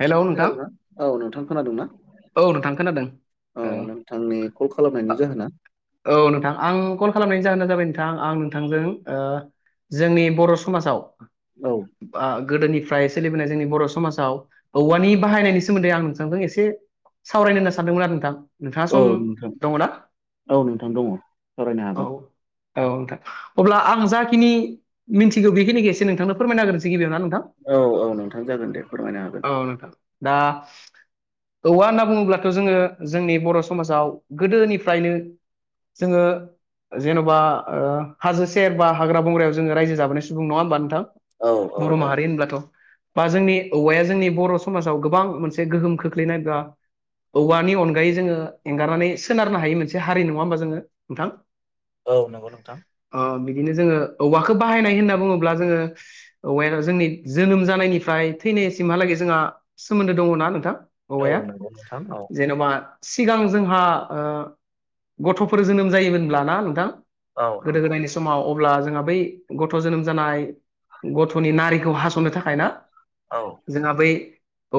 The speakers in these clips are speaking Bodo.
हेलौ नोंथां खोनादों ना औ नोंथां खोनादोंना? औ नोंथां खोनादों औ नोंथांनि कल खालामनायनि जाहोना औ नोंथां आं कल खालामनायनि जाहोना जाबाय नोंथां आं नोंथांजों। ओ जोंनि बर' समाजाव औ गोदोनि फ्राय सोलिबोनाय जोंनि बर' समाजाव औवानि बाहायनायनि सोमोन्दै आं नोंथांजों एसे सावरायनो होनना सानदोंमोन आरो नोंथां नोंथाङा औ सम नोंथां दङ ना? औ नोंथां दङ सावरायनो हागोन। औ नोंथां अब्ला आं जाखिनि मिथिगौ बेखिनिखौ एसे नोंथांनो फोरमायना हागोनसै गिबियाव ना औ औ नोंथां जागोन दे फोरमायनो हागोन। औ नोंथां दा औवा होनना बुङोब्लाथ' जोङो जोंनि बर' समाजाव गोदोनिफ्रायनो जोङो जेन'बा हाजो सेर बा हाग्रा बंग्रायाव जोङो रायजो जाबोनाय सुबुं नङा होमबा नोंथां? औ औ बर' औ माहारि होनब्लाथ बा जोंनि औवाया जोंनि बर' समाजाव गोबां मोनसे गोहोम खोख्लैनायग्रा औवानि अनगायै जोङो एंगारनानै सोनारनो हायो मोनसे हारि नङा होमबा जोङो नोंथां। औ नंगौ नोंथां ओ बिदिनो जोङो औवाखौ बाहायनाय होनना बुङोब्ला जोङो औवाया जोंनि जोनोम जानायनिफ्राय थैनायसिमहालागै जोंहा सोमोन्दो दङना नोंथां औ औवाया नंगौ नोंथां औ जेन'बा सिगां जोंहा गथ'फोर जोनोम जायोमोनबाना नोंथां। औ गोदो नंगौ गोदायनि समाव अब्ला जोंहा बै गथ' जोनोम जानाय गथ'नि नारिखौ हास'नो थाखाय ना औ जोंहा बै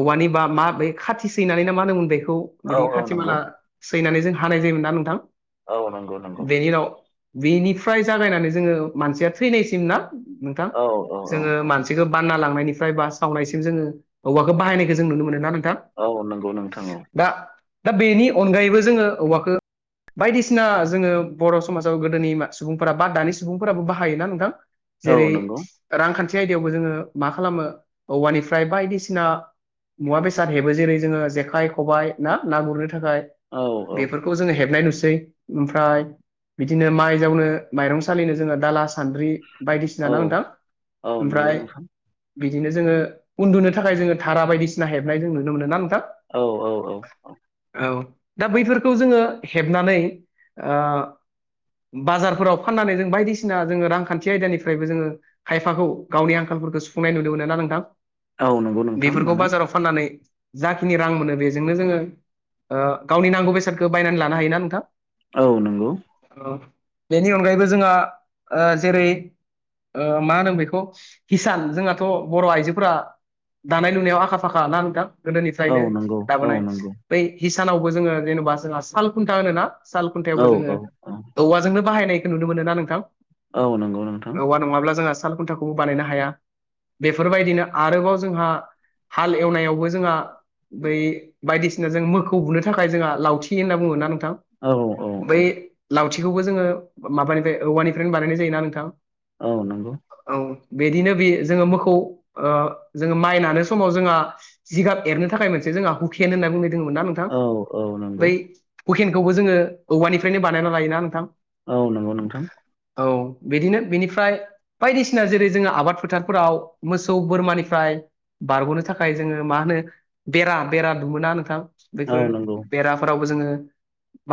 औवानि बा मा बै खाथि सैनानै ना मा होन मोनदों। खौ औ बिदि औ खाथि नंगौ माला सैनानै जों हानाय जायोमोन ना नोंथां। औ नंगौ नंगौ बेनि उनाव बेनिफ्राय जागायनानै जोङो मानसिया थैनायसिम ना नोंथां औ औ औ जोङो मानसिखौ बानना लाङो नायनिफ्राय बा सावनायसिम जो औवाखौ बाहायनायखौ जों नुनो मोनो ना। नोंथां औ नंगौ नोंथां औ दा दा बेनि अनगायैबो जोङो औवाखौ बायदिसिना जोङो बर' समाजाव गोदोनि सुबुंफोरा बा दानि सुबुंफोराबो बाहायोना नोंथां। औ जेरै नंगौ रांखान्थि आयदायावबो जोङो मा खालामो औवानिफ्राय बायदिसिना मुवा बेसाद हेबो जेरै जोङो जेखाइ खबाइ ना ना गुरनो थाखाय औ औ बेफोर हेबनाय नुसै ओमफ्राय बिदिनो माइ जावनो माइरं सालिनो जोङो दाला सानद्रि बायदिसिना औ ना नोंथां औ नंगौ ओमफ्राय नोंथां बिदिनो जोङो उन्दुनो थाखाय जोङो तारा बायदिसिना हेबनाय जों नुनो मोनो ना नोंथां? औ औ औ औ औ दा बैफोरखौ जोङो हेबनानै बाजारफोराव फाननानै जों बायदिसिना जोङो रांखान्थि आयदानिफ्रायबो जोङो खायफाखौ गावनि आंखाल सुफुंनाय नुनो मोनो ना नोंथां औ नंगौ नोंथां बेफोरखौ मानो बाजाराव फाननानै जाखिनि रां मोनो बेजोंनो जोङो ओ गावनि नांगौ बेसादखौ बायनानै लानो हायोना नोंथां औ नंगौ। बेनि अनगायैबो जोंहा जेरै। मा होनदों बेखौ हिसान जोंहाथ' बर' आइजोफोरा। दानाय लुनायाव आखा फाखा ना नोंथां औ गोदोनिफ्रायनो नंगौ औ दाबोनाय नंगौ बै हिसानावबो जोङो जेनेबा जोंहा साल खुन्था होनो ना साल औ खुन्थायावबो जोङो औ औ औवाजोंनो बाहायनाय। नुनो मोनो ना नोंथां। औ नंगौ नोंथां। औवा नङाब्ला जोंहा साल खुन्थाखौबो बानायनो हाया। बेफोरबायदिनो आरोबाव जोंहा हाल एवनायावबो जोंहा। बै बायदिसिना जों मोखौ बुनो थाखाय जोंहा लावथि होनना बुङो होनना बुङो ना नों थां औ औ औ बै लावथिखौबो जोङो माबानिफ्राय औवानिफ्रायनो बानायनाय जायोना नोंथां। औ नंगौ। औ बिदिनो बे जोङो मोखौ जोङो माइ नानो समाव जोंहा जिगाब एरनो थाखाय मोनसे। जोहा हुखेेन होनना बुंङो। औ औ नों। बै हुकेनखौबो जोङो औवानिफ्रायनो बानायना लायोना नोंथां। औ नंगौ नोंथां। औ बिदिनो बेनिफ्राय बायदिसिना जेरै जोङो आबाद फोथारफोराव मोसौ बोरमानिफ्राय बारग'नो थाखाय जोङो मा होनो बेरा बेरा दुमोना नोंथां औ बैफोर नंगौ बेराफोरावबो जोङो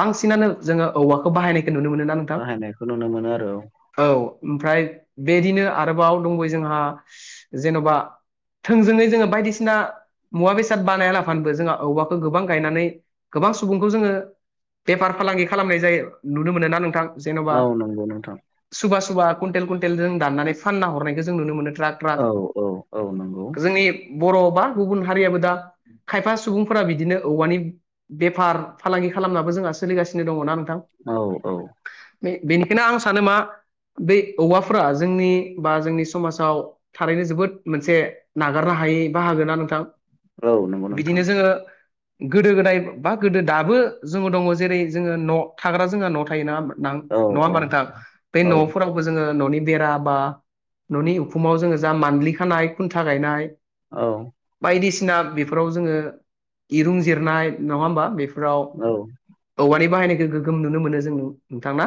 बांसिनानो जोङो औवाखौ बाहायनाय नुनो मोनो ना नोंथां बाहायनायखौ नुनो मोनो आरो औ। ओमफ्राय बेदिनो आरोबाव दंबयो जोंहा जेन'बा थोंजोङै जोङो बायदिसिना मुवा बेसाद बानायला फानोबो जोंहा औवाखौ गोबां गायनानै गोबां सुबुंखौ जोङो बेफार फालांगि खालामनाय जायो नुनो मोनो ना नोंथां। जेन'बा औ नंगौ नोंथां सुबा सुबा कुन्टेल कुइन्टेल जों दाननानै फानना हरनायखौ जों नुनो मोनो। ट्राक औ औ औ नंगौ ट्राक जोंनि बर' बा गुबुन हारियाबो दा खायफा सुबुंफोरा बिदिनो औवानि बेफार फालांगि खालामनाबो जोंहा सोलिगासिनो दङ' ना नोंथां औ औ बेनिखायनो आं सानो मा बै औवाफोरा जोंनि बा जोंनि समाजाव थारैनो जोबोद मोनसे नागारनो हा यि बाहागो ना नोंथां। औ नंगौ नोंथां। बिदिनो जोङो गोदो गोदाय बा गोदो दाबो जोङो दङ' जेरै जोङो न' थाग्रा जोंहा न'वाव थायो नङा होमबा? नां औ नङा औ होमबा नोंथां बे औ न'फोरावबो जोङो न'नि बेरा बा न'नि उफुमाव जोङो जा मानलि खानाय खुन्था गायनाय औ। ना बेफोराव जोङो इरुं जिरनाय नङा होमबा बे फ्राव औ औवानि बाहायनायखौ गोगोम नुनो मोनो जों नोंथां ना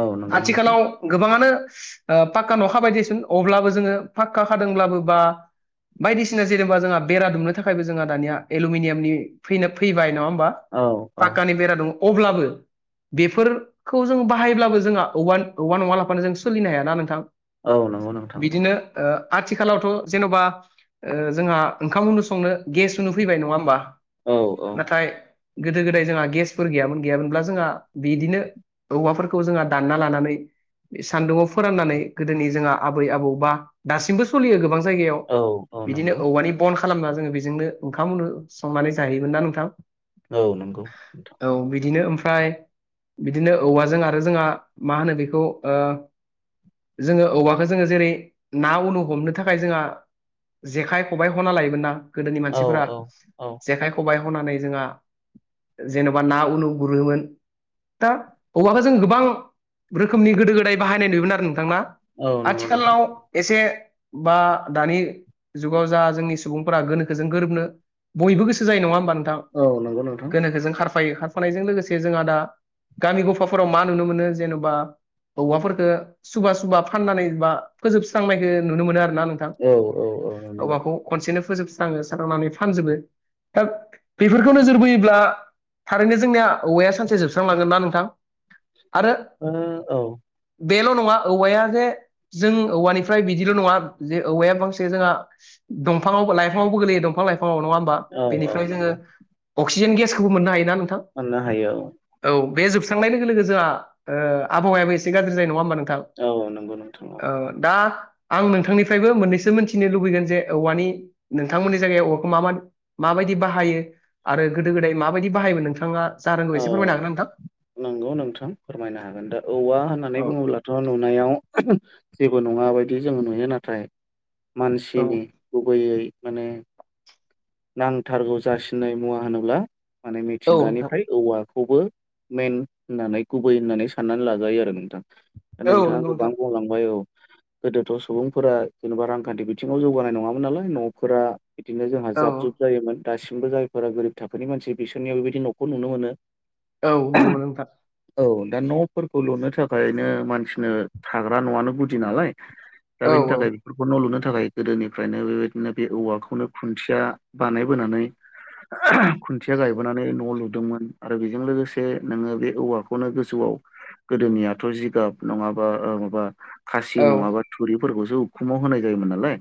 औ नंगौ नोंथां आथिखालाव गोबाङानो ओ पाक्का न' खाबाय दिसुन अब्लाबो जोङो पाक्का खादोंब्लाबो बा बायदिसिना जेनेबा जोंहा बेरा दुमनो थाखायबो जोंहा दानिया एलुमिनियामनि फैनो फैबाय नङा होमबा औ औ पाक्कानि बेरा दङ' अब्लाबो बेफोरखौ जों बाहायब्लाबो जोंहा औवान औवा नङा लाफानो जों सोलिनो हायाना नोंथां? औ नंगौ नोंथां नांगौ। बिदिनो ओ आथिखालावथ' जेन'बा ओ जोंहा ओंखाम संनो गेस जोङो फैबाय नङा होमबा? औ औ नाथाय गोदो गोदाय जोंहा गेसफोर गैयामोन गैयामोनब्ला जोंहा बेदिनो। औवाफोरखौ जोंहा दानना लानानै। सान्दुङाव फोराननानै गोदोनि जोंहा आबै आबौ बा दासिमबो सलियो गोबां जायगायाव औ औ बिदिनो नंगौ औवानि बन खालामना जोङो बेजोंनो ओंखामनो संनानै जाहैयोमोन ना नोंथां औ नंगौ नोंथां औ बिदिनो ओमफ्राय बिदिनो औवाजों आरो जोंहा मा होनो बेखौ ओ जोङो औवाखो जोङो जेरै ना उनु हमनो थाखाय जोंहा जेखाइ खबाइ हना लायोमोन ना गोदोनि औ मानसिफोरा औ औ जेखाइ खबाइ हनानै जोंहा जेन'बा ना उनु गुरोमोन। दा औवाखौ जों गोबां रोखोमनि गोदो गोदाय बाहायनाय नुयोमोन आरो नोंथां ना औ नंगौ नोंथां आथिखालाव एसे बा दानि जुगाव जा जोंनि सुबुंफोरा गोनोखोजों गोरोबनो बयबो गोसो जायो नङा होमबा नोंथां औ नंगौ नोंथां गोनोखो जों खारफायो खारफानायजों लोगोसे जोंहा दा गामि गफाफोराव मा नुनो मोनो जेन'बा औवाफोरफोरखो सुबा सुबा फाननानै बा फोजोबस्रांनायखो नुनो मोनो आरो ना नोंथां। औ औ नंगौ नंगौ औवाखौ खनसेनो फोजोबस्राङो स्रांनानै फानजोबो बेफोरखौ नोजोर बोयोब्ला थारैनो जोंनिया औवाया सानसे जोबस्रांलांगोन ना नोंथां। आरो ओ औ बेल' नङा औवाया जे जों औवानिफ्राय बिदिल' नङा जे औवाया बांसे जोङा दंफाङावबो लाइफाङावबो गोलैयो दंफां लाइफाङाव नङा होमबा औ औ बेनिफ्राय जोङो नंगौ अक्सिजेन गेसखौबो मोननो हायो। मोननो हायो औ बे जोबस्रांनाय लोगो जोहा आबहावायाबो एसे गाज्रि जायो नङा होनबा नों थां। औ नंगौ नोंथां औ दा आं नोंथांनिफ्रायबो मोननैसो मोनथिनो लुबैगोन जे औवानि नोंथांमोननि जायगायाव औवाखौ माबादि मा माबायदि बाहायो आरो गोदो गोदाय माबायदि बाहायमोन नोंथाङा जा रोंगौ औ एसे फोरमायनो हागोन ना नोंथां। नंगौ नोंथां फोरमायनो हागोन दा औवा होननानै औ बुङोब्लाथ' नुनायाव जेबो नङा बायदि जोङो नुयो नाथाय औ मानसिनि गुबैयै माने नांथारगौ जासिननाय मुवा होनोब्ला माने औ नोंथां मिथिंगानिफ्राय औवा खौबो मेन होननानै गुबै होननानै साननानै लाजायो आरो नोंथां औ नोंथाङा नंगौ गोबां नोंथां मावलांबाय औ गोदोथ' सुबुंफोरा जेनेबा रांखान्थि बिथिङाव जौगानाय नङामोन नालाय न'फोरा बिदिनो जोंहा औ जा दासिमबो जायफोरा गोरिब थाखोनि मानसि बिसोरनियाव बेबायदि न'खौ नुनो मोनो औ नुनो मोनो नोंथां औ दा न'फोरखौ लुनो थाखायनो मानसिनो थाग्रा न'आनो गुदि नालाय दा औ बेनि औ थाखाय बेफोरखौ न' लुनो थाखाय गोदोनिफ्रायनो बेबायदिनो बे औवाखौनो खुन्थिया बानायबोनानै खुन्थिया गायबोनानै न' लुदोंमोन आरो बेजों लोगोसे नोङो बे औवाखौनो गोजौआव गोदोनियाथ' जिगाब नङाबा माबा खासि औ नङाबा थुरिफोरखौसो उखुमाव होनाय जायोमोन नालाय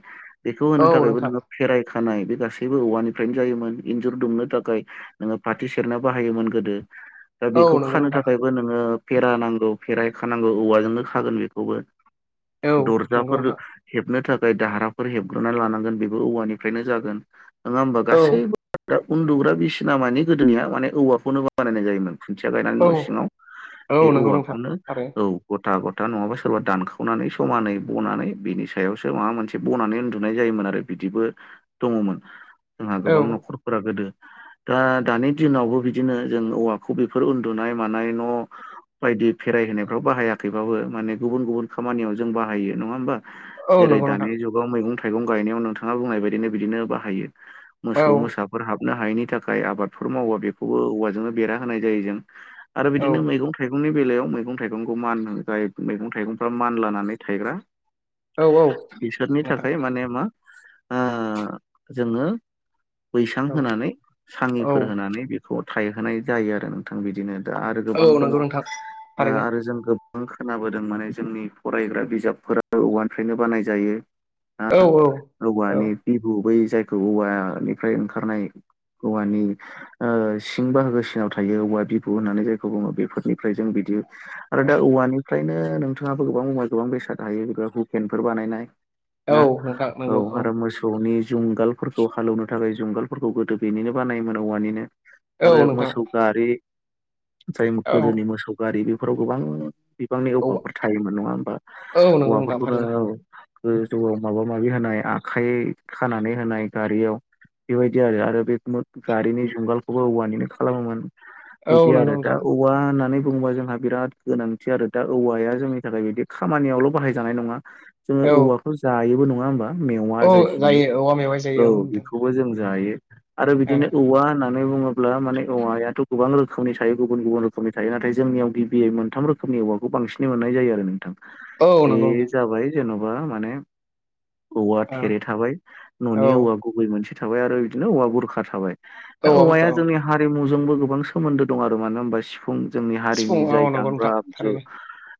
बेखौ होनो औ थाखायबो नोंथां नोङो फेराइ खानाय बे गासैबो औवानिफ्रायनो जायोमोन इन्जुर दुमनो थाखाय नोङो फाथि सेरना बाहायोमोन गोदो दा औ बेखौ नंगौ खानो नोंथां थाखायबो नोङो फेरानांगौ फेराय खानांगौ औवाजोंनो खागोन बेखौबो औ नंगौ दरफोर नोंथां हेबनो थाखाय जाय दाहाराफोर हेबग्रोना लानांगोन बेबो औवानिफ्रायनो जागोन नङा होमबा औ गासैबो उन्दुग्रा बिसिना मानि गोदोनिया माने औवाखौनो बानायनाय जायोमोन खुन्थिया गायनानै औ न' सिङाव औ बे नंगौ नोंथां औवाखौनो औ थारैनो ग गथा गथा नङाबा सोरबा दानखावनानै समानै बनानै बिनि सायावसो माबा मोनसे बनानै उन्दुनाय जायोमोन आरो बिदिबो दङमोन जोंहा गोबां न'खरफोरा गोदो दा दानि दिनावबो बिदिनो जों औवाखौ बेफोर उन्दुनाय मानाय न' बायदि फेराय होनोनायफ्राव बाहायाखैबाबो माने गुबुन गुबुन खामानियाव जों बाहायो नङा होमबा औ जेरै नंगौ नोंथां दानि जुगाव मैगं थाइगं गायनायाव नोंथाङा बुंनाय बायदिनो बिदिनो बाहायो औ मोसौ मोसाफोर हाब नो हायैनि थाखाय आबादफोर मावा बेखौबो औवाजोंनो बेरा होनाय जायो जों आरो औ बिदिनो मैगं थाइगंनि बेलायाव मैगं थाइगंखौ मान जाय मैगं थाइगंफ्रा मान लानानै थायग्रा औ औ बिसोरनि नोंथां थाखाय माने मा जोङो बैसां औ होनानै औ सांगिफोर होनानै बे थायहोनाय जायो आरो नोंथां बिदिनो दा आरो गोबां औ दङ नंगौ नोंथां थारैनो आरो जों गो खोनाबोदों माने जोंनि फरायग्रा बिजाबफोरा औवानिफ्रायनो बानायजायो हा औ औ औ औवानि बिबु बै जायखौ औवानिफ्राय ओंखारनाय औवानि सिं बाहागोसिनाव थायो औवा बिबु होननानै जायखौ बुङो बेफोरनिफ्राय जों बि बि आरो दा औवानिफ्रायनो नोंथाङाबो गोबां औवाया गोबां बेसाद थाहायो जबा हुकेनफोर बानायनाय औ ना नोंथां औ नंगौ आरो मोसौनि जुंगालफोरखौ हालएवनो थाखाय जुंगालफोरखौ गोदो बेनिनो बानायोमोन औवानिनो औ आरो नोंथां मोसौ गारि जाय औ गोदोनि मोसौ गारि बेफोराव गोबां बिबांनि औ औवाफोर थायोमोन नङा होमबा औ नंगौ नोंथां औवाफोरखौ' थारैनो औ गोजौआव माबा माबि होनाय आखाइ खानानै होनाय गारियाव बेबायदि आरो आरो बे गारिनि जुंगालखौबो औवानिनो खालामोमोन। औ बिदि नंगौ आरो दा नोंथां औवा होननानै बुंडोबा जोंहा बिराद गोनांथि आरो दा औवाया जोंनि थाखाय बिदि खामानियावल' बाहायजानाय नङा जोङो औ औवाफोर जायोबो नङा होमबा मेवा औ जायखौ मोनो जायो औवा मेवाइ औ जायो नोंथां बेखौबो जों जायो आरो बिदिनो औवा होननानै बुङोब्ला माने औवायाथ' गोबां रोखोमनि थायो गुबुन गुबुन रोखोमनि थायो नाथाय जोंनियाव गिबियै मोनथाम रोखोम रोखोमनि औवाखौ बांसिन मोननाय जायो आरो नोंथां। औ बे नंगौ नोंथां जाबाय जेन'बा माने औवा थेरे थाबाय न' औ गुबै मोनसे थाबाय आरो बिनो औवा बुरखा थाबाय दा औवाफोरखौ औवाया औ जोंनि हारिमु जोंबो गोबां सोमोन्दो दं आरो मानो होनबा सिफुं जोंनि सिफुं हारिनि औ जाय नंगौ दामग्रा नोंथां आगजु थारैनो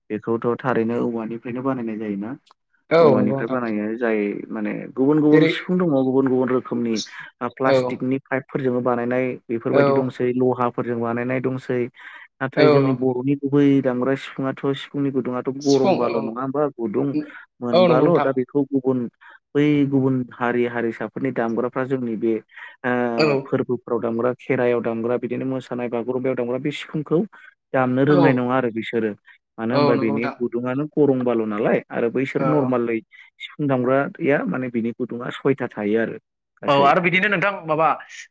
बेखौथ' थारैनो औवानिफ्रायनो बानायनाय जायोना औ नंगौ औवानिफ्राय नोंथां बानायो जाय माने गुबुन गुबुन जेरै सिफुं दङ गुबुन गुबुन रोखोमनि औ प्लास्टिकनि पाइपफोरजों बानायनाय औ बेफोरबायदि दंसै लहाफोरजों बानायनाय दंसै नाथाय जोंनि औ बर'नि गुबै दामग्रा सिफुंआथ' फुंनि गुदुंआथ' सिफुं औ गरमबाल' नङा होमबा गुदुं औ नंगौ मोनबाल' नोंथां दा बेखौ गुबुन बै गुबुन हारि हारिसाफोरनि दामग्राफ्रा जोंनि बे औ फोरबोफोराव दामग्रा खेराइयाव दामग्रा बिदिनो मोसानाय बागुरुम्बायाव दामग्रा बे सिफुंखौ दामनो औ रोंनाय नङा आरो बिसोरो मानो औ होनबा नंगौ बिनि नोंथां गुदुङानो गरं बाल' नालाय आरो बैसोर औ नरमालै सिफुं दामग्राया माने बिनि गुदुङा सयथा थायो आरो औ गासै आरो बिदिनो नोंथां माबा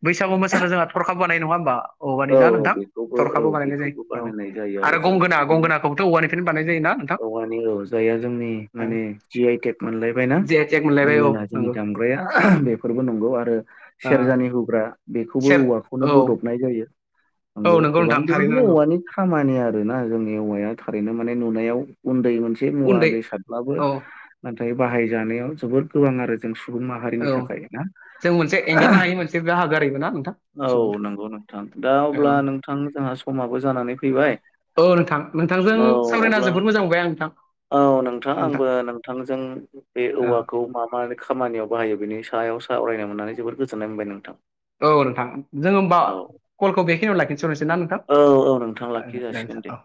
बैसागु मोसानो जोंहा थरखाबो बानायो नङा होमबा? औवानि औ ना औ नोंथां बेखौबो औ थरखाबो बानायनाय बेखौबो जायो औ बानायनाय जायो आरो जोङो गंगोना बिदिनो गंगोनाखौबोथ' औवानिफ्रायनो बानायनाय जायोना। नोंथां औवानि औ जायहा जोंनि माने जि आइ टेक मोनलायबायना जि आइ टेक मोनलायबाय औ गंगोना जोंनि नंगौ दामग्रा ग्राया बेफोरबो नंगौ आरो ओ सेरजानि हुग्रा बेखौबो सेर औवाखौनो औ बोदबनाय जायो। औ नंगौ गोबां नोंथां थारैनो बेबायदिनो नंगौ औवानि खामानि आरोना जोंनि औवाया ओरैनो माने नुनायाव उन्दै मोनसे मुवा उन्दै बेसादब्लाबो औ बाहाय जानायाव जोबोर गोबां आरो जों सुबुं माहारिनि औ थाखाय ना जों मोनसे एंगारनो हायि मोनसे बाहागो आरोबो ना नोंथां सुबुं औ नंगौ नोंथां दा दा औ अब्ला नोंथां जोंहा समाबो जानानै फैबाय। औ नोंथां नोंथांजों औ सावरायना अब्ला जोबोद मोजां मोनबाय आं। औ नोंथां आंबो नोंथांजों बे औवाखौ मा मा खामानियाव बाहाय यो बेनि सायाव सा यनो मोननानै जोबोद गोजोन्नाय मोनबाय नोंथां। औ नोंथां जोंङो होमबा औ कलखौ बेखिनियाव लाखिथ'नोसै ना औ औ लाखि नोंथां जासिगोन दे। [unintelligible] औ